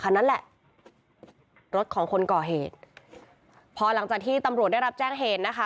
คันนั้นแหละรถของคนก่อเหตุพอหลังจากที่ตำรวจได้รับแจ้งเหตุนะคะ